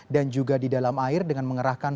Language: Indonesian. dan juga di dalam air dengan mengerahkan